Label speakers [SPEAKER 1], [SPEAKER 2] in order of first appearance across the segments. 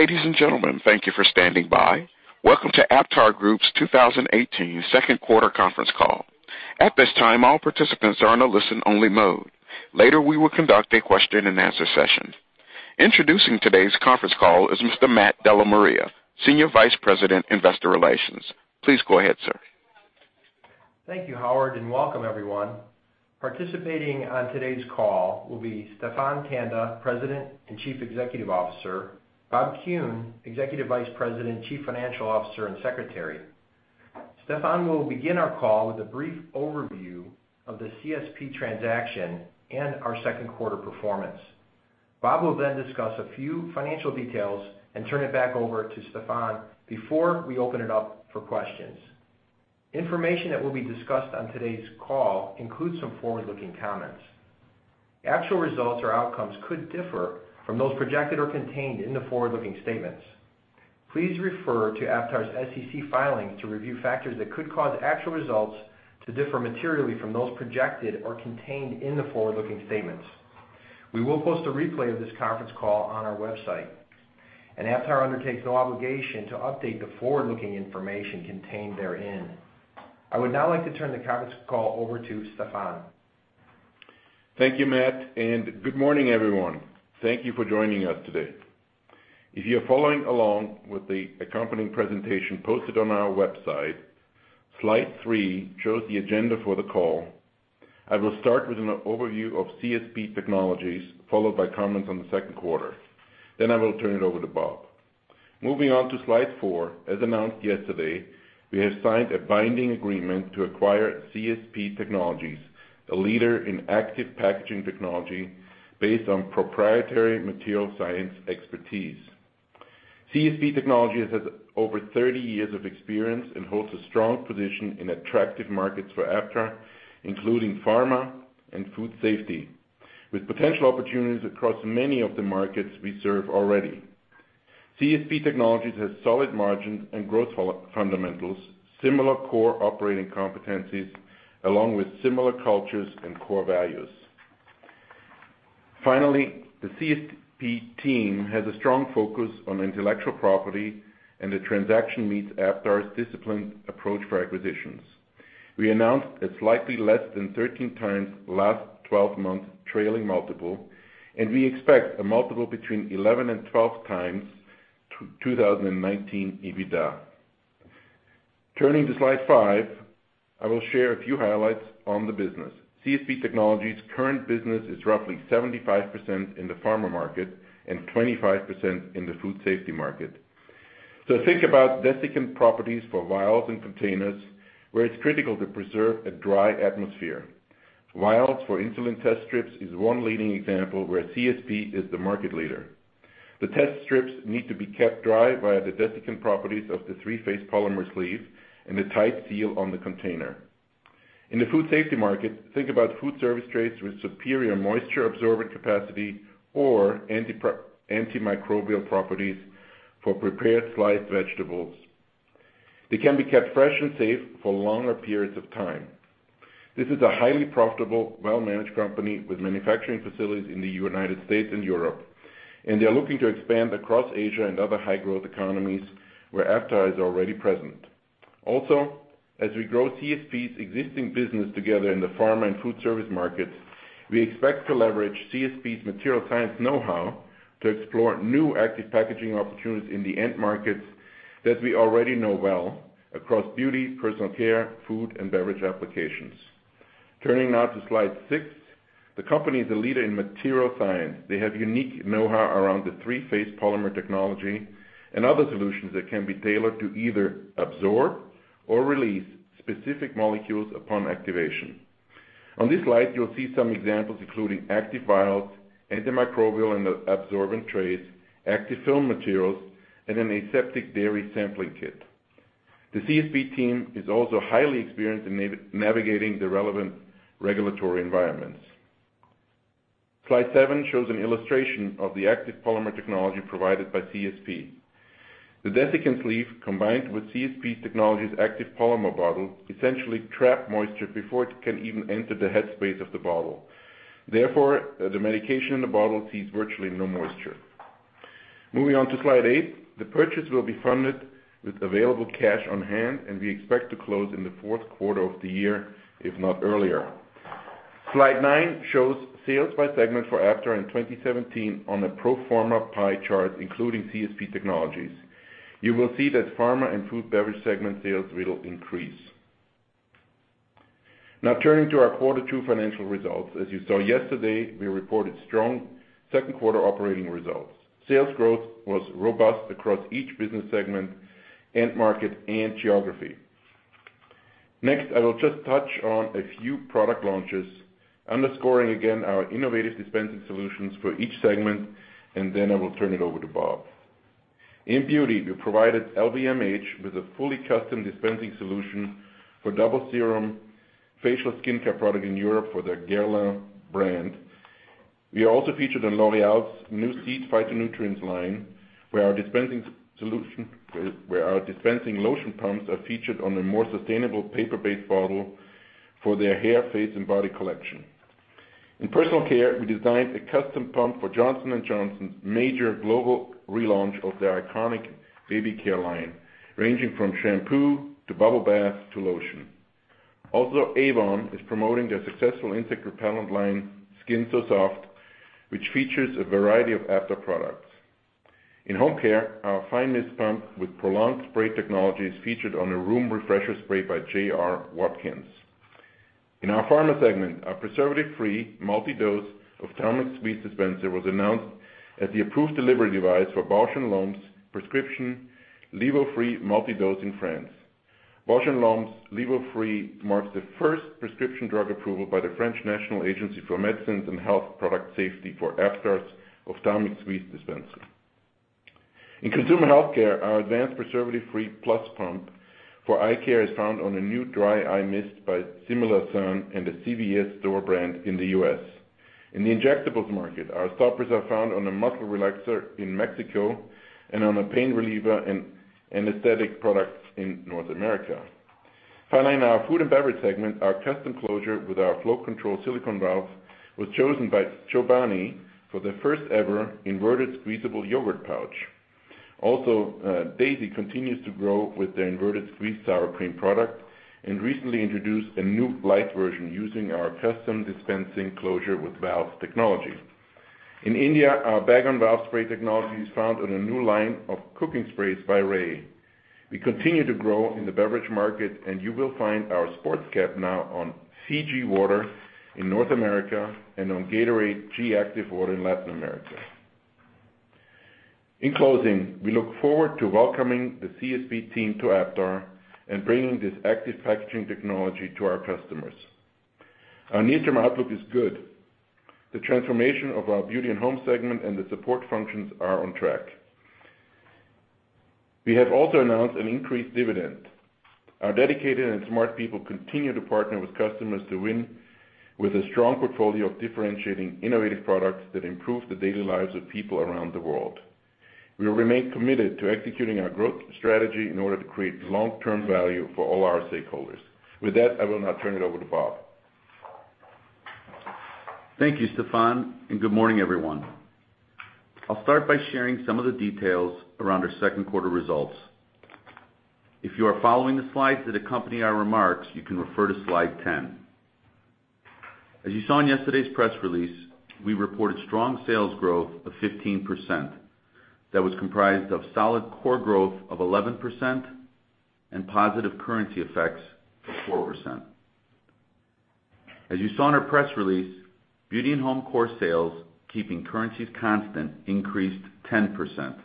[SPEAKER 1] Ladies and gentlemen, thank you for standing by. Welcome to AptarGroup's 2018 second quarter conference call. At this time, all participants are in a listen-only mode. Later, we will conduct a question and answer session. Introducing today's conference call is Mr. Matthew DellaMaria, Senior Vice President, Investor Relations. Please go ahead, sir.
[SPEAKER 2] Thank you, Howard, welcome everyone. Participating on today's call will be Stephan Tanda, President and Chief Executive Officer, Bob Kuhn, Executive Vice President, Chief Financial Officer, and Secretary. Stephan will begin our call with a brief overview of the CSP transaction and our second quarter performance. Bob will then discuss a few financial details and turn it back over to Stephan before we open it up for questions. Information that will be discussed on today's call includes some forward-looking comments. Actual results or outcomes could differ from those projected or contained in the forward-looking statements. Please refer to Aptar's SEC filing to review factors that could cause actual results to differ materially from those projected or contained in the forward-looking statements. We will post a replay of this conference call on our website, Aptar undertakes no obligation to update the forward-looking information contained therein. I would now like to turn the conference call over to Stefan.
[SPEAKER 3] Thank you, Matt, good morning, everyone. Thank you for joining us today. If you're following along with the accompanying presentation posted on our website, slide three shows the agenda for the call. I will start with an overview of CSP Technologies, followed by comments on the second quarter. I will turn it over to Bob. Moving on to slide four. As announced yesterday, we have signed a binding agreement to acquire CSP Technologies, a leader in active packaging technology based on proprietary material science expertise. CSP Technologies has over 30 years of experience and holds a strong position in attractive markets for Aptar, including pharma and food safety, with potential opportunities across many of the markets we serve already. CSP Technologies has solid margins and growth fundamentals, similar core operating competencies, along with similar cultures and core values. The CSP team has a strong focus on intellectual property. The transaction meets Aptar's disciplined approach for acquisitions. We announced a slightly less than 13x last 12-month trailing multiple. We expect a multiple between 11x and 12x 2019 EBITDA. Turning to slide five, I will share a few highlights on the business. CSP Technologies' current business is roughly 75% in the pharma market and 25% in the food safety market. Think about desiccant properties for vials and containers where it's critical to preserve a dry atmosphere. Vials for insulin test strips is one leading example where CSP is the market leader. The test strips need to be kept dry via the desiccant properties of the three-phase polymer sleeve and a tight seal on the container. In the food safety market, think about food service trays with superior moisture absorbent capacity or antimicrobial properties for prepared sliced vegetables. They can be kept fresh and safe for longer periods of time. This is a highly profitable, well-managed company with manufacturing facilities in the U.S. and Europe. They're looking to expand across Asia and other high-growth economies where Aptar is already present. As we grow CSP's existing business together in the pharma and food service markets, we expect to leverage CSP's material science know-how to explore new active packaging opportunities in the end markets that we already know well across beauty, personal care, food, and beverage applications. Turning now to slide six. The company is a leader in material science. They have unique know-how around the three-phase polymer technology and other solutions that can be tailored to either absorb or release specific molecules upon activation. On this slide, you'll see some examples, including active vials, antimicrobial and absorbent trays, active film materials, and an aseptic dairy sampling kit. The CSP team is also highly experienced in navigating the relevant regulatory environments. Slide seven shows an illustration of the active polymer technology provided by CSP. The desiccant sleeve, combined with CSP Technologies' active polymer bottle, essentially trap moisture before it can even enter the headspace of the bottle. The medication in the bottle sees virtually no moisture. Moving on to slide eight. The purchase will be funded with available cash on hand. We expect to close in the fourth quarter of the year, if not earlier. Slide nine shows sales by segment for Aptar in 2017 on a pro forma pie chart, including CSP Technologies. You will see that pharma and food beverage segment sales will increase. Turning to our Quarter 2 financial results. As you saw yesterday, we reported strong second quarter operating results. Sales growth was robust across each business segment, end market, and geography. I will just touch on a few product launches, underscoring again our innovative dispensing solutions for each segment. I will turn it over to Bob. In beauty, we provided LVMH with a fully custom dispensing solution for double serum facial skincare product in Europe for their Guerlain brand. We also featured in L'Oréal's new Seed Phytonutrients line, where our dispensing lotion pumps are featured on a more sustainable paper-based bottle for their hair, face, and body collection. In personal care, we designed a custom pump for Johnson & Johnson's major global relaunch of their iconic baby care line, ranging from shampoo to bubble bath to lotion. Avon is promoting their successful insect repellent line, Skin So Soft, which features a variety of Aptar products. In home care, our fine mist pump with prolonged spray technology is featured on a room refresher spray by J.R. Watkins. In our pharma segment, our preservative-free multi-dose ophthalmic squeeze dispenser was announced as the approved delivery device for Bausch + Lomb's prescription Lévofree multi-dose in France. Bausch + Lomb's Lévofree marks the first prescription drug approval by the French National Agency for Medicines and Health Product Safety for Aptar's ophthalmic squeeze dispenser. In consumer healthcare, our advanced preservative-free plus pump for eye care is found on a new dry eye mist by Similasan and a CVS store brand in the U.S. In the injectables market, our stoppers are found on a muscle relaxer in Mexico and on a pain reliever and anesthetic product in North America. In our food and beverage segment, our custom closure with our flow control silicone valve was chosen by Chobani for their first ever inverted squeezable yogurt pouch. Daisy continues to grow with their inverted squeeze sour cream product and recently introduced a new light version using our custom dispensing closure with valve technology. In India, our bag-on-valve spray technology is found on a new line of cooking sprays by Ray. We continue to grow in the beverage market, and you will find our sports cap now on CG Water in North America and on Gatorade G Active Water in Latin America. In closing, we look forward to welcoming the CSP team to Aptar and bringing this active packaging technology to our customers. Our near-term outlook is good. The transformation of our beauty and home segment and the support functions are on track. We have announced an increased dividend. Our dedicated and smart people continue to partner with customers to win with a strong portfolio of differentiating innovative products that improve the daily lives of people around the world. We remain committed to executing our growth strategy in order to create long-term value for all our stakeholders. With that, I will now turn it over to Bob.
[SPEAKER 4] Thank you, Stephan, and good morning, everyone. I'll start by sharing some of the details around our second quarter results. If you are following the slides that accompany our remarks, you can refer to Slide 10. As you saw in yesterday's press release, we reported strong sales growth of 15% that was comprised of solid core growth of 11% and positive currency effects of 4%. As you saw in our press release, beauty and home core sales, keeping currencies constant, increased 10%.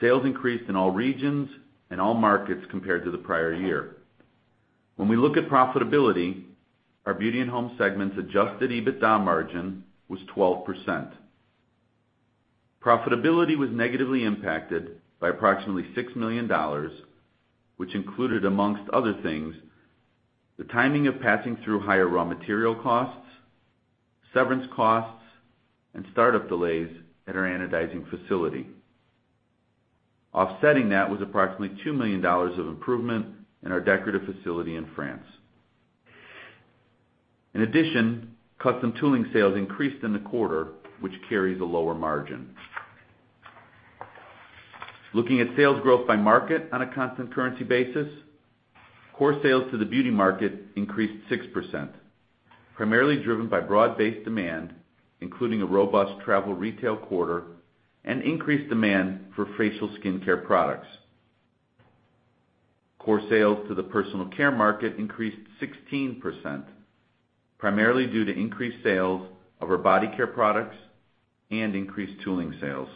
[SPEAKER 4] Sales increased in all regions and all markets compared to the prior year. When we look at profitability, our beauty and home segment's adjusted EBITDA margin was 12%. Profitability was negatively impacted by approximately $6 million, which included, amongst other things, the timing of passing through higher raw material costs, severance costs, and startup delays at our anodizing facility. Offsetting that was approximately $2 million of improvement in our decorative facility in France. In addition, custom tooling sales increased in the quarter, which carries a lower margin. Looking at sales growth by market on a constant currency basis, core sales to the beauty market increased 6%, primarily driven by broad-based demand, including a robust travel retail quarter and increased demand for facial skincare products. Core sales to the personal care market increased 16%, primarily due to increased sales of our body care products and increased tooling sales.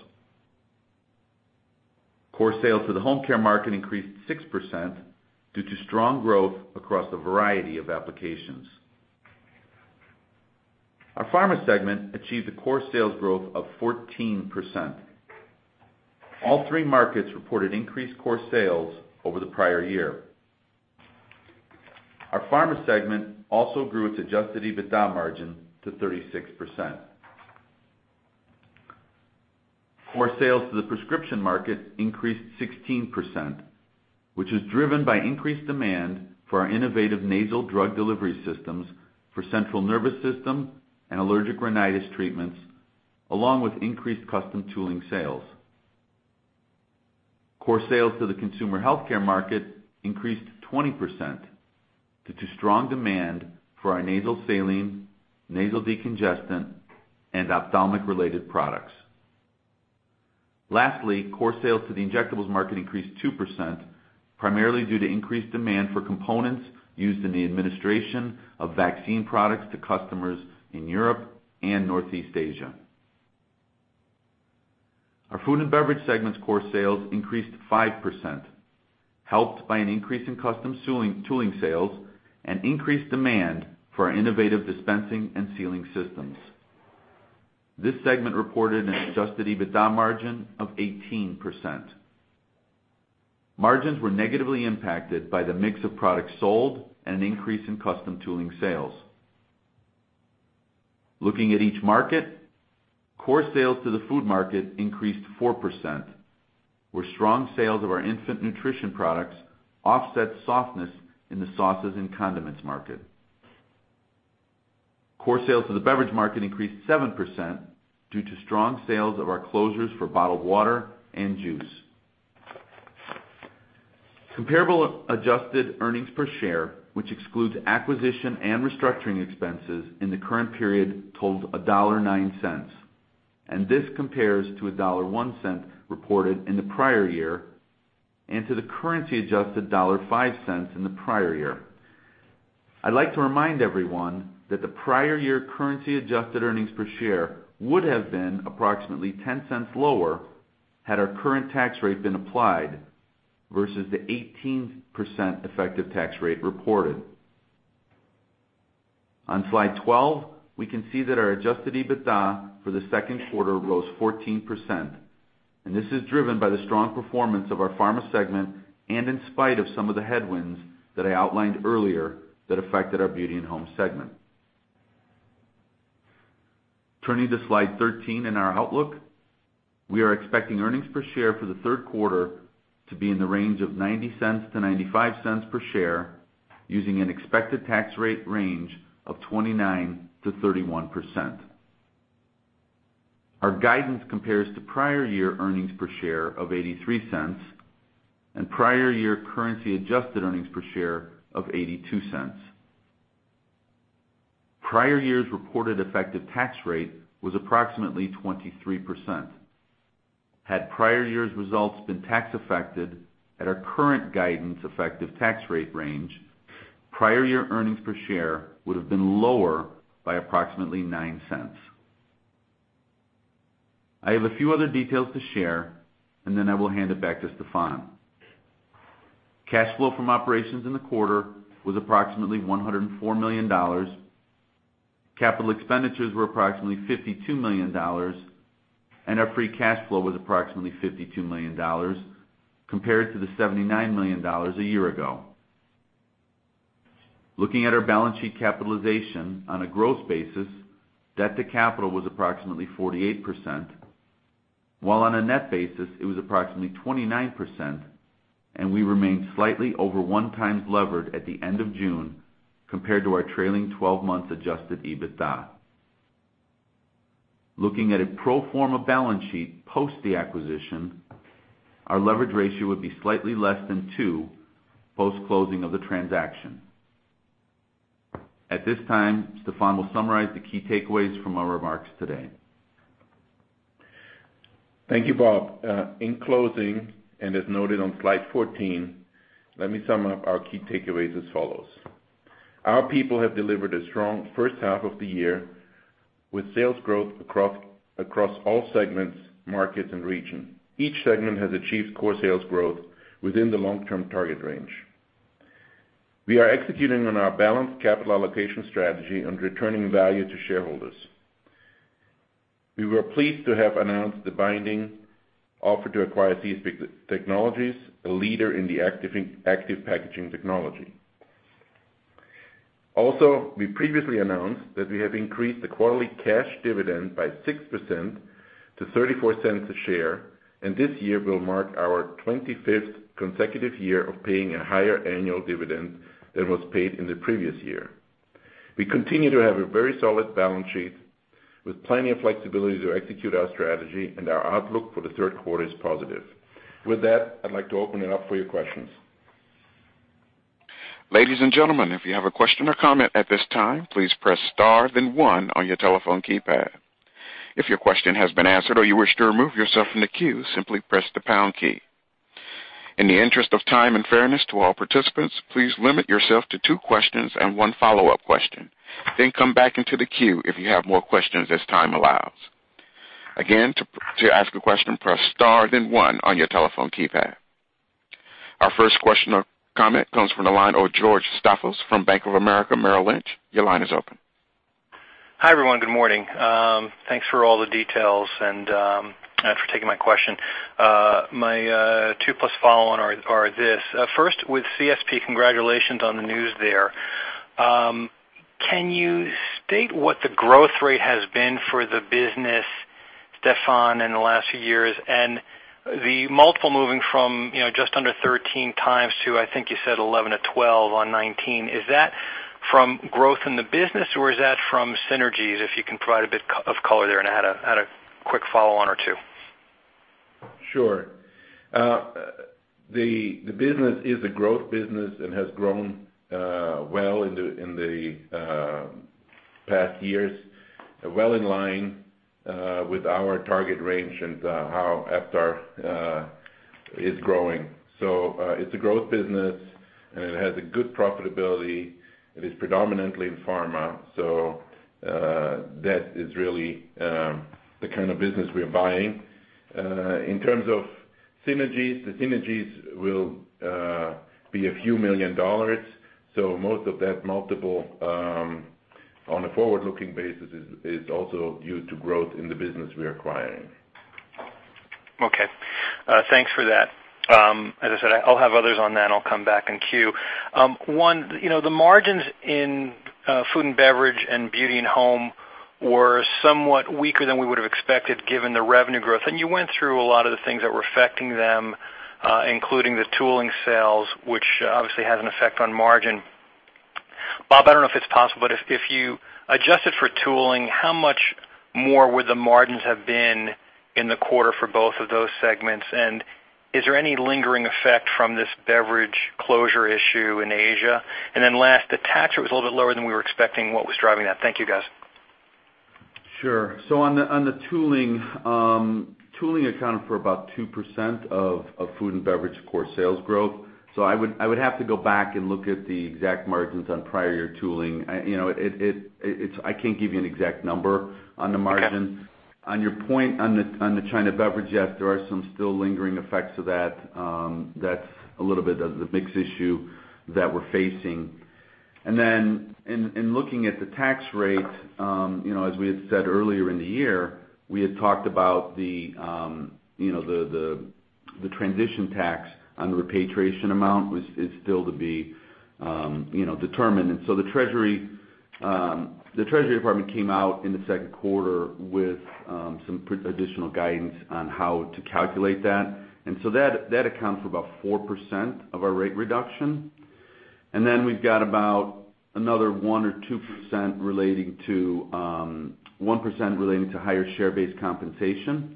[SPEAKER 4] Core sales to the home care market increased 6% due to strong growth across a variety of applications. Our pharma segment achieved a core sales growth of 14%. All three markets reported increased core sales over the prior year. Our pharma segment also grew its adjusted EBITDA margin to 36%. Core sales to the prescription market increased 16%, which was driven by increased demand for our innovative nasal drug delivery systems for central nervous system and allergic rhinitis treatments, along with increased custom tooling sales. Core sales to the consumer healthcare market increased 20% due to strong demand for our nasal saline, nasal decongestant, and ophthalmic-related products. Lastly, core sales to the injectables market increased 2%, primarily due to increased demand for components used in the administration of vaccine products to customers in Europe and Northeast Asia. Our food and beverage segment's core sales increased 5%, helped by an increase in custom tooling sales and increased demand for our innovative dispensing and sealing systems. This segment reported an adjusted EBITDA margin of 18%. Margins were negatively impacted by the mix of products sold and an increase in custom tooling sales. Looking at each market, core sales to the food market increased 4%, where strong sales of our infant nutrition products offset softness in the sauces and condiments market. Core sales to the beverage market increased 7% due to strong sales of our closures for bottled water and juice. Comparable adjusted earnings per share, which excludes acquisition and restructuring expenses in the current period, totaled $1.09. This compares to $1.01 reported in the prior year and to the currency-adjusted $1.05 in the prior year. I'd like to remind everyone that the prior year currency-adjusted earnings per share would have been approximately $0.10 lower had our current tax rate been applied versus the 18% effective tax rate reported. On slide 12, we can see that our adjusted EBITDA for the second quarter rose 14%, this is driven by the strong performance of our pharma segment and in spite of some of the headwinds that I outlined earlier that affected our beauty and home segment. Turning to slide 13 and our outlook. We are expecting earnings per share for the third quarter to be in the range of $0.90-$0.95 per share using an expected tax rate range of 29%-31%. Our guidance compares to prior year earnings per share of $0.83 and prior year currency-adjusted earnings per share of $0.82. Prior year's reported effective tax rate was approximately 23%. Had prior year's results been tax affected at our current guidance effective tax rate range, prior year earnings per share would have been lower by approximately $0.09. I have a few other details to share and then I will hand it back to Stephan. Cash flow from operations in the quarter was approximately $104 million. Capital expenditures were approximately $52 million, and our free cash flow was approximately $52 million compared to the $79 million a year ago. Looking at our balance sheet capitalization on a gross basis, debt to capital was approximately 48%, while on a net basis, it was approximately 29%, and we remained slightly over one times levered at the end of June compared to our trailing 12 months adjusted EBITDA. Looking at a pro forma balance sheet post the acquisition, our leverage ratio would be slightly less than two post-closing of the transaction. At this time, Stephan will summarize the key takeaways from our remarks today.
[SPEAKER 3] Thank you, Bob. In closing, as noted on slide 14, let me sum up our key takeaways as follows. Our people have delivered a strong first half of the year with sales growth across all segments, markets, and regions. Each segment has achieved core sales growth within the long-term target range. We are executing on our balanced capital allocation strategy on returning value to shareholders. We were pleased to have announced the binding offer to acquire CSP Technologies, a leader in the active packaging technology. Also, we previously announced that we have increased the quarterly cash dividend by 6% to $0.34 a share, and this year will mark our 25th consecutive year of paying a higher annual dividend than was paid in the previous year. We continue to have a very solid balance sheet with plenty of flexibility to execute our strategy, and our outlook for the third quarter is positive. With that, I'd like to open it up for your questions.
[SPEAKER 1] Ladies and gentlemen, if you have a question or comment at this time, please press star then one on your telephone keypad. If your question has been answered or you wish to remove yourself from the queue, simply press the pound key. In the interest of time and fairness to all participants, please limit yourself to two questions and one follow-up question. Come back into the queue if you have more questions as time allows. Again, to ask a question, press star then one on your telephone keypad. Our first question or comment comes from the line of George Staphos from Bank of America Merrill Lynch. Your line is open.
[SPEAKER 5] Hi, everyone. Good morning. Thanks for all the details and for taking my question. My two plus follow-on are this. First, with CSP, congratulations on the news there. Can you state what the growth rate has been for the business, Stephan, in the last few years and the multiple moving from just under 13 times to, I think you said, 11 to 12 on 2019? Is that from growth in the business or is that from synergies? If you can provide a bit of color there, and I had a quick follow-on or two.
[SPEAKER 3] Sure. The business is a growth business and has grown well in the past years, well in line with our target range and how Aptar is growing. It's a growth business, and it has a good profitability. It is predominantly in pharma, that is really the kind of business we're buying. In terms of synergies, the synergies will be a few million USD. Most of that multiple on a forward-looking basis is also due to growth in the business we are acquiring.
[SPEAKER 5] Okay. Thanks for that. As I said, I'll have others on that, I'll come back in queue. One, the margins in food and beverage and beauty and home were somewhat weaker than we would've expected given the revenue growth. You went through a lot of the things that were affecting them, including the tooling sales, which obviously has an effect on margin. Bob, I don't know if it's possible, but if you adjusted for tooling, how much more would the margins have been in the quarter for both of those segments? Is there any lingering effect from this beverage closure issue in Asia? Last, the tax rate was a little bit lower than we were expecting. What was driving that? Thank you, guys.
[SPEAKER 4] Sure. On the tooling accounted for about 2% of food and beverage core sales growth. I would have to go back and look at the exact margins on prior year tooling. I can't give you an exact number on the margin.
[SPEAKER 5] Okay.
[SPEAKER 4] On your point on the China beverage, yes, there are some still lingering effects of that. That's a little bit of the mix issue that we're facing. In looking at the tax rate, as we had said earlier in the year, we had talked about the transition tax on the repatriation amount, which is still to be determined. The Treasury Department came out in the second quarter with some additional guidance on how to calculate that, and so that accounts for about 4% of our rate reduction. We've got about another 1 or 2%, 1% relating to higher share-based compensation,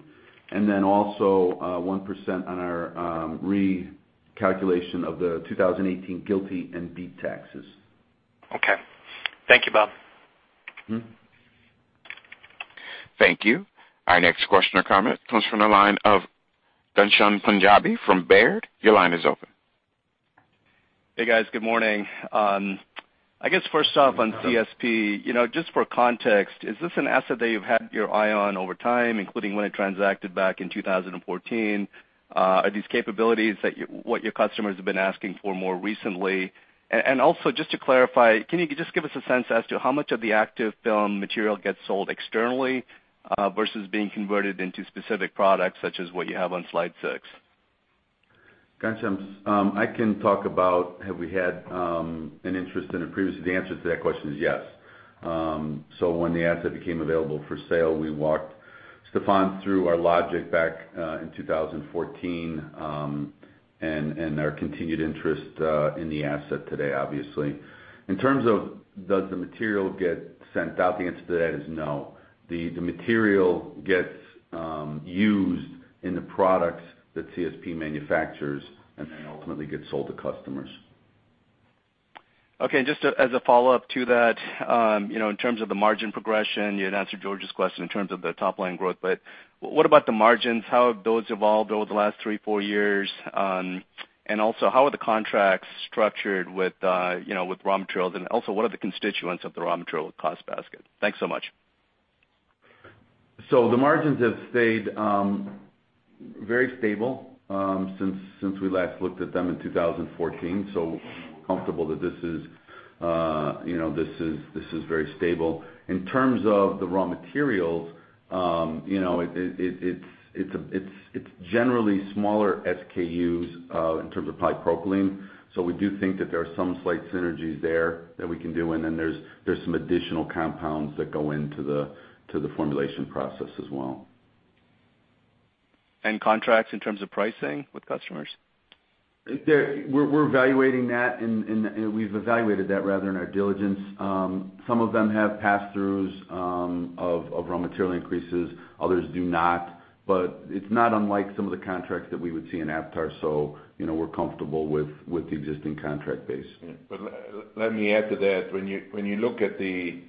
[SPEAKER 4] and then also, 1% on our recalculation of the 2018 GILTI and BEAT taxes.
[SPEAKER 5] Okay. Thank you, Bob.
[SPEAKER 1] Thank you. Our next question or comment comes from the line of G Ghansham Panjabi from Baird. Your line is open.
[SPEAKER 6] Hey, guys. Good morning. I guess first off on CSP, just for context, is this an asset that you've had your eye on over time, including when it transacted back in 2014? Are these capabilities what your customers have been asking for more recently? Also, just to clarify, can you just give us a sense as to how much of the active film material gets sold externally, versus being converted into specific products such as what you have on slide six?
[SPEAKER 4] Ghansham, I can talk about have we had an interest in it previously. The answer to that question is yes. When the asset became available for sale, we walked Stephan through our logic back in 2014, and our continued interest in the asset today, obviously. In terms of does the material get sent out, the answer to that is no. The material gets used in the products that CSP manufactures and then ultimately gets sold to customers.
[SPEAKER 6] Okay. Just as a follow-up to that, in terms of the margin progression, you had answered George's question in terms of the top-line growth, but what about the margins? How have those evolved over the last three, four years? Also, how are the contracts structured with raw materials, and also what are the constituents of the raw material cost basket? Thanks so much.
[SPEAKER 4] The margins have stayed very stable since we last looked at them in 2014, so comfortable that this is very stable. In terms of the raw materials, it's generally smaller SKUs, in terms of polypropylene. We do think that there are some slight synergies there that we can do, there's some additional compounds that go into the formulation process as well.
[SPEAKER 6] Contracts in terms of pricing with customers?
[SPEAKER 4] We're evaluating that, and we've evaluated that, rather, in our diligence. Some of them have pass-throughs of raw material increases, others do not. It's not unlike some of the contracts that we would see in Aptar, so, we're comfortable with the existing contract base.
[SPEAKER 3] Let me add to that. When you look at the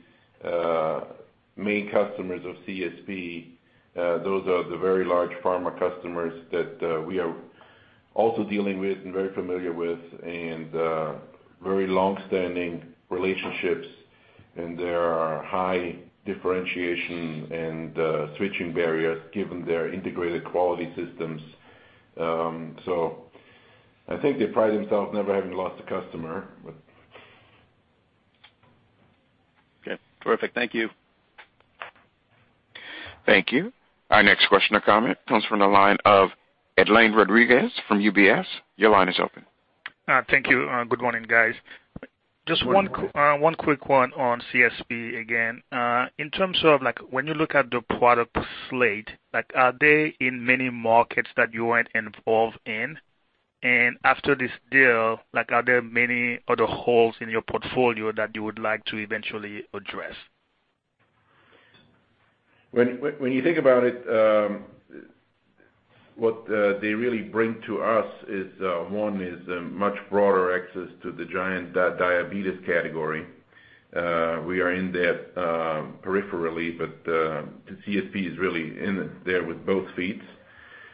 [SPEAKER 3] main customers of CSP, those are the very large pharma customers that we are also dealing with and very familiar with and very longstanding relationships. There are high differentiation and switching barriers given their integrated quality systems. I think they pride themselves never having lost a customer.
[SPEAKER 6] Okay. Terrific. Thank you.
[SPEAKER 1] Thank you. Our next question or comment comes from the line of Edlain Rodriguez from UBS. Your line is open.
[SPEAKER 7] Thank you. Good morning, guys.
[SPEAKER 3] Good morning.
[SPEAKER 7] Just one quick one on CSP again. In terms of when you look at the product slate, are they in many markets that you aren't involved in? After this deal, are there many other holes in your portfolio that you would like to eventually address?
[SPEAKER 3] When you think about it, what they really bring to us is, one is much broader access to the giant diabetes category. We are in that peripherally, but CSP is really in it there with both feet.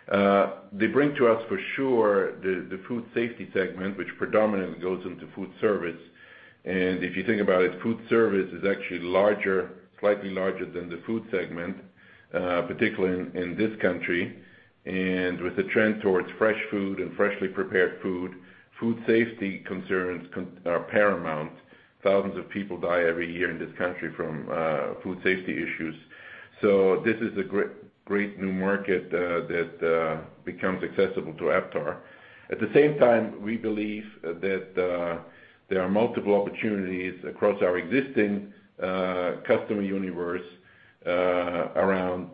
[SPEAKER 3] They bring to us for sure the food safety segment, which predominantly goes into food service. If you think about it, food service is actually slightly larger than the food segment, particularly in this country. With the trend towards fresh food and freshly prepared food safety concerns are paramount. Thousands of people die every year in this country from food safety issues. This is a great new market that becomes accessible to Aptar. At the same time, we believe that there are multiple opportunities across our existing customer universe around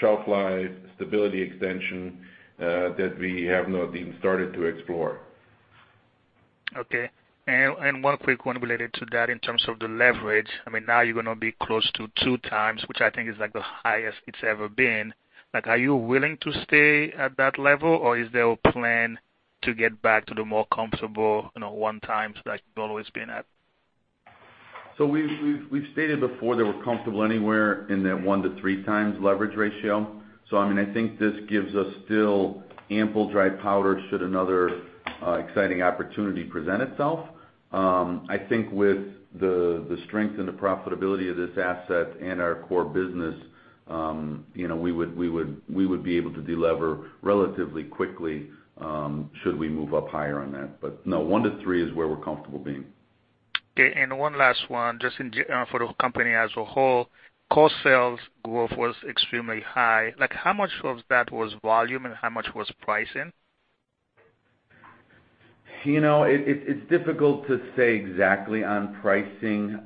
[SPEAKER 3] shelf life, stability extension, that we have not even started to explore.
[SPEAKER 7] Okay. One quick one related to that in terms of the leverage. Now you're going to be close to 2 times, which I think is the highest it's ever been. Are you willing to stay at that level, or is there a plan to get back to the more comfortable one time like you've always been at?
[SPEAKER 4] We've stated before that we're comfortable anywhere in that one to three times leverage ratio. I think this gives us still ample dry powder should another exciting opportunity present itself. I think with the strength and the profitability of this asset and our core business, we would be able to delever relatively quickly should we move up higher on that. No, one to three is where we're comfortable being.
[SPEAKER 7] Okay. One last one, just for the company as a whole. Core sales growth was extremely high. How much of that was volume and how much was pricing?
[SPEAKER 4] It's difficult to say exactly on pricing.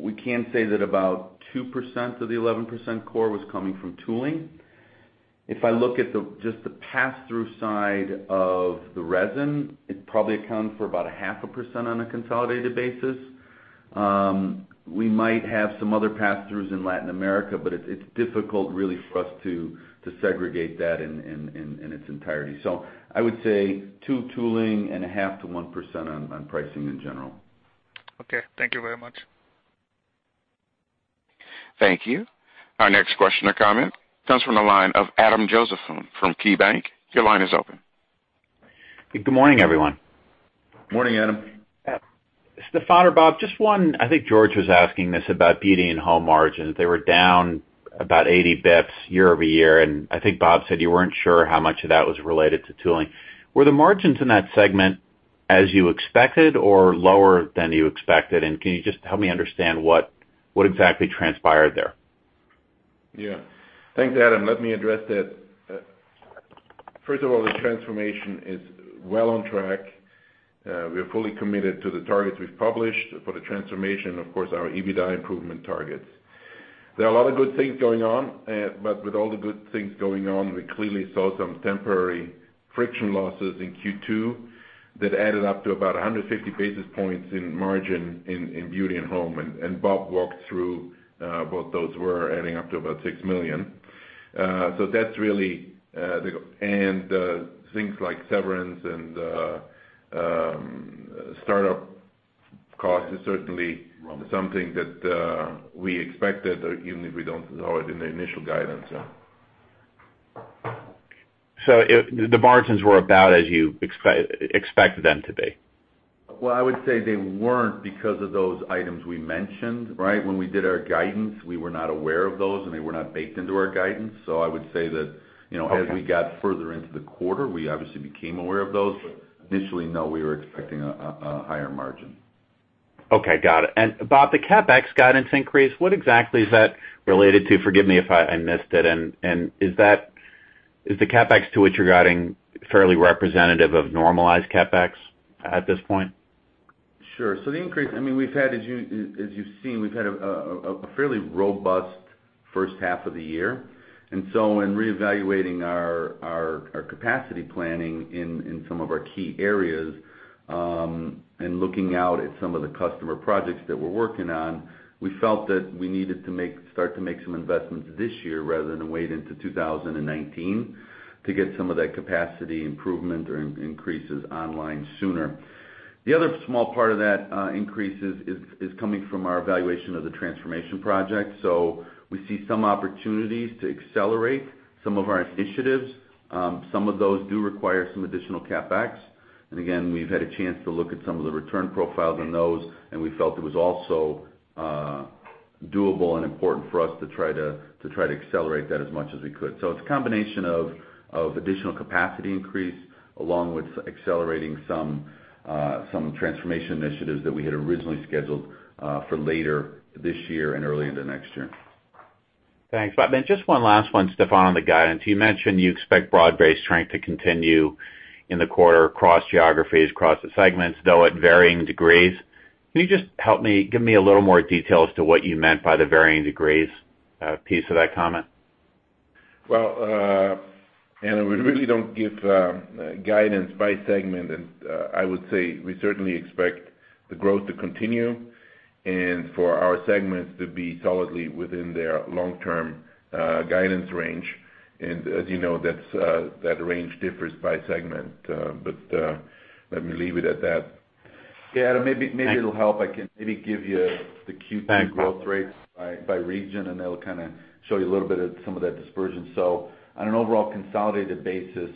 [SPEAKER 4] We can say that about 2% of the 11% core was coming from tooling. If I look at just the pass-through side of the resin, it probably accounts for about 0.5% on a consolidated basis. We might have some other pass-throughs in Latin America, but it's difficult really for us to segregate that in its entirety. I would say 2% tooling and 0.5% to 1% on pricing in general.
[SPEAKER 7] Okay. Thank you very much.
[SPEAKER 1] Thank you. Our next question or comment comes from the line of Adam Josephson from KeyBanc. Your line is open.
[SPEAKER 8] Good morning, everyone.
[SPEAKER 4] Morning, Adam.
[SPEAKER 8] Stephan or Bob, just one, I think George was asking this about beauty and home margins. They were down about 80 basis points year-over-year, and I think Bob said you weren't sure how much of that was related to tooling. Were the margins in that segment as you expected or lower than you expected, and can you just help me understand what exactly transpired there?
[SPEAKER 3] Yeah. Thanks, Adam. Let me address that. First of all, the transformation is well on track. We're fully committed to the targets we've published for the transformation, of course, our EBITDA improvement targets. There are a lot of good things going on, but with all the good things going on, we clearly saw some temporary friction losses in Q2 that added up to about 150 basis points in margin in beauty and home, and Bob walked through what those were, adding up to about $6 million. Things like severance and startup costs is certainly something that we expected, even if we don't know it in the initial guidance.
[SPEAKER 8] The margins were about as you expected them to be?
[SPEAKER 4] Well, I would say they weren't because of those items we mentioned, right? When we did our guidance, we were not aware of those, and they were not baked into our guidance. I would say that.
[SPEAKER 8] Okay
[SPEAKER 4] as we got further into the quarter, we obviously became aware of those. Initially, no, we were expecting a higher margin.
[SPEAKER 8] Okay, got it. Bob, the CapEx guidance increase, what exactly is that related to? Forgive me if I missed it, is the CapEx to which you're guiding fairly representative of normalized CapEx at this point?
[SPEAKER 4] Sure. The increase, as you've seen, we've had a fairly robust first half of the year. In reevaluating our capacity planning in some of our key areas, and looking out at some of the customer projects that we're working on, we felt that we needed to start to make some investments this year rather than wait into 2019 to get some of that capacity improvement or increases online sooner. The other small part of that increase is coming from our evaluation of the transformation project. We see some opportunities to accelerate some of our initiatives. Some of those do require some additional CapEx. Again, we've had a chance to look at some of the return profiles on those, and we felt it was also doable and important for us to try to accelerate that as much as we could. It's a combination of additional capacity increase along with accelerating some transformation initiatives that we had originally scheduled for later this year and early into next year.
[SPEAKER 8] Thanks, Bob. Just one last one, Stephan, on the guidance. You mentioned you expect broad-based strength to continue in the quarter across geographies, across the segments, though at varying degrees. Can you just give me a little more detail as to what you meant by the varying degrees piece of that comment?
[SPEAKER 3] Well, we really don't give guidance by segment. I would say we certainly expect the growth to continue and for our segments to be solidly within their long-term guidance range. As you know, that range differs by segment. Let me leave it at that.
[SPEAKER 4] Yeah, Adam, maybe it'll help. I can maybe give you the Q2 growth rates.
[SPEAKER 8] Thanks
[SPEAKER 4] by region, that'll kind of show you a little bit of some of that dispersion. On an overall consolidated basis,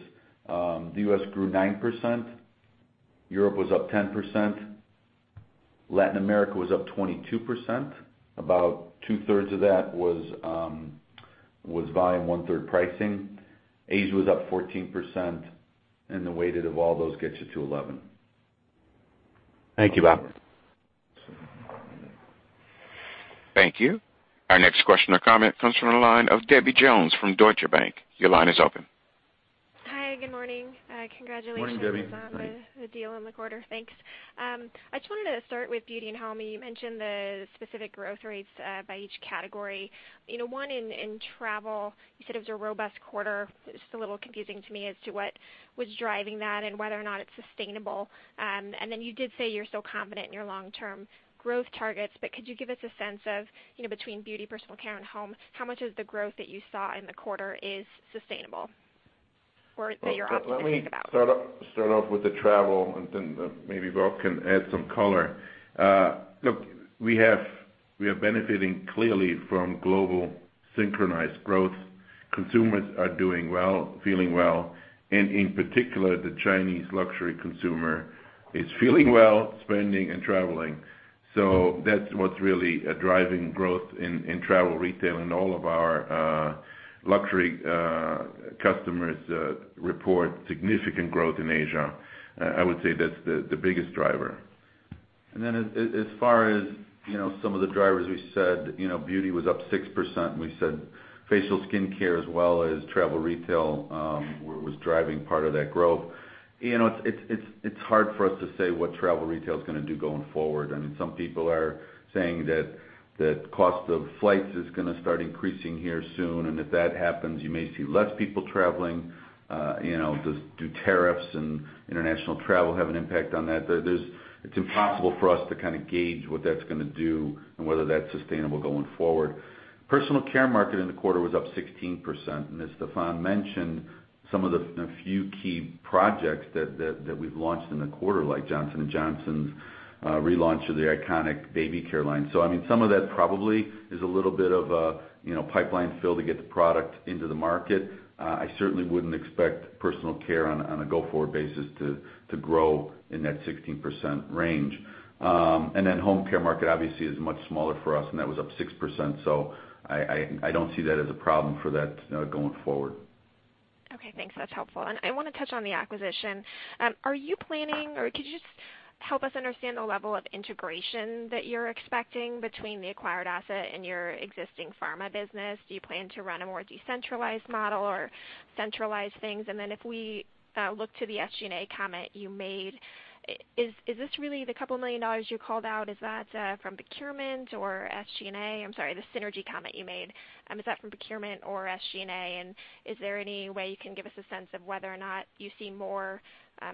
[SPEAKER 4] the U.S. grew 9%, Europe was up 10%, Latin America was up 22%. About two-thirds of that was volume, one-third pricing. Asia was up 14%, the weighted of all those gets you to 11%.
[SPEAKER 3] Thank you, Bob.
[SPEAKER 1] Thank you. Our next question or comment comes from the line of Debbie Jones from Deutsche Bank. Your line is open.
[SPEAKER 9] Hi, good morning. Congratulations-
[SPEAKER 3] Morning, Debbie
[SPEAKER 9] on the deal in the quarter. Thanks. I just wanted to start with beauty and home. You mentioned the specific growth rates by each category. One, in travel, you said it was a robust quarter. It's just a little confusing to me as to what was driving that and whether or not it's sustainable. You did say you're still confident in your long-term growth targets. Could you give us a sense of, between beauty, personal care, and home, how much of the growth that you saw in the quarter is sustainable or that you're optimistic about?
[SPEAKER 3] Let me start off with the travel. Maybe Bob can add some color. Look, we are benefiting clearly from global synchronized growth. Consumers are doing well, feeling well, in particular, the Chinese luxury consumer is feeling well, spending, and traveling. That's what's really driving growth in travel retail. All of our luxury customers report significant growth in Asia. I would say that's the biggest driver.
[SPEAKER 4] As far as some of the drivers, we said beauty was up 6%. We said facial skincare as well as travel retail was driving part of that growth. It's hard for us to say what travel retail is going to do going forward. Some people are saying that cost of flights is to start increasing here soon. If that happens, you may see less people traveling. Do tariffs and international travel have an impact on that? It's impossible for us to gauge what that's going to do and whether that's sustainable going forward. Personal care market in the quarter was up 16%. As Stephan mentioned, some of the few key projects that we've launched in the quarter, like Johnson & Johnson's relaunch of their iconic baby care line. Some of that probably is a little bit of a pipeline fill to get the product into the market. I certainly wouldn't expect personal care on a go-forward basis to grow in that 16% range. Home care market obviously is much smaller for us. That was up 6%. I don't see that as a problem for that going forward.
[SPEAKER 9] Okay, thanks. That's helpful. I want to touch on the acquisition. Are you planning, or could you just help us understand the level of integration that you're expecting between the acquired asset and your existing pharma business? Do you plan to run a more decentralized model or centralize things? If we look to the SG&A comment you made, is this really the couple million dollars you called out? Is that from procurement or SG&A? I'm sorry, the synergy comment you made, is that from procurement or SG&A? Is there any way you can give us a sense of whether or not you see more,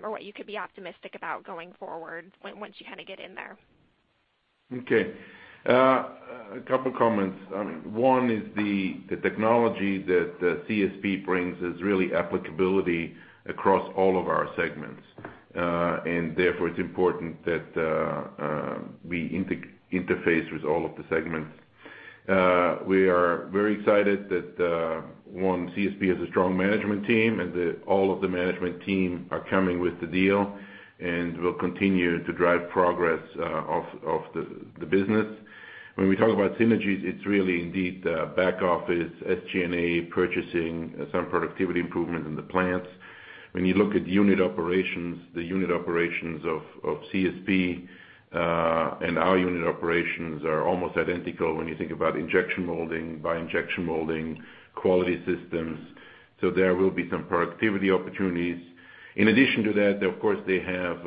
[SPEAKER 9] or what you could be optimistic about going forward once you get in there?
[SPEAKER 3] Okay. A couple comments. One is the technology that CSP brings is really applicability across all of our segments. Therefore, it's important that we interface with all of the segments. We are very excited that, one, CSP has a strong management team, and all of the management team are coming with the deal and will continue to drive progress of the business. When we talk about synergies, it's really indeed back office, SG&A, purchasing, some productivity improvement in the plants. When you look at unit operations, the unit operations of CSP and our unit operations are almost identical when you think about injection molding by injection molding quality systems. There will be some productivity opportunities. In addition to that, of course, they have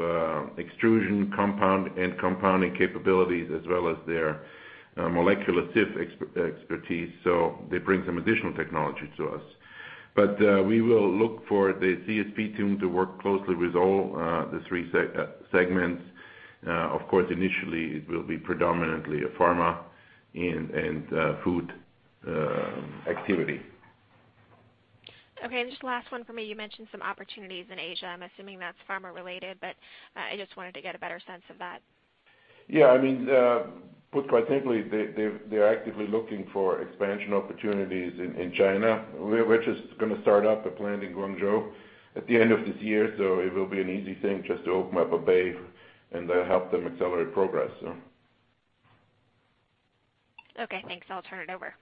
[SPEAKER 3] extrusion compound and compounding capabilities as well as their molecular sieve expertise, so they bring some additional technology to us. We will look for the CSP team to work closely with all the 3 segments. Of course, initially, it will be predominantly a pharma and food activity.
[SPEAKER 9] Okay, just last one from me. You mentioned some opportunities in Asia. I'm assuming that's pharma-related, but I just wanted to get a better sense of that.
[SPEAKER 3] Yeah. Put quite simply, they're actively looking for expansion opportunities in China. We're just going to start up a plant in Guangzhou at the end of this year. It will be an easy thing just to open up a bay, and that'll help them accelerate progress.
[SPEAKER 9] Okay, thanks. I'll turn it over.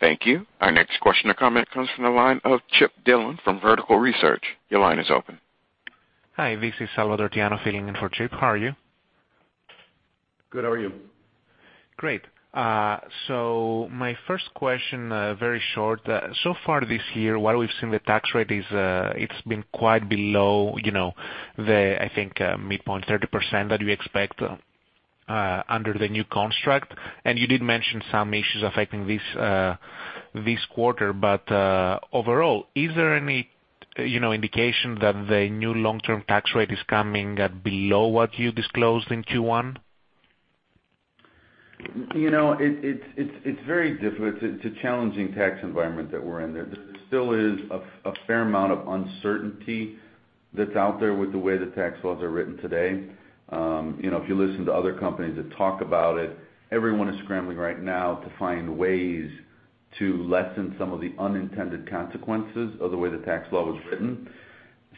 [SPEAKER 1] Thank you. Our next question or comment comes from the line of Chip Dillon from Vertical Research. Your line is open.
[SPEAKER 10] Hi, this is Salvatore Tiano filling in for Chip. How are you?
[SPEAKER 3] Good. How are you?
[SPEAKER 10] Great. My first question, very short. So far this year, what we've seen the tax rate is, it's been quite below the, I think, midpoint 30% that we expect under the new construct. You did mention some issues affecting this quarter. Overall, is there any indication that the new long-term tax rate is coming below what you disclosed in Q1?
[SPEAKER 4] It's very difficult. It's a challenging tax environment that we're in. There still is a fair amount of uncertainty that's out there with the way the tax laws are written today. If you listen to other companies that talk about it, everyone is scrambling right now to find ways to lessen some of the unintended consequences of the way the tax law was written.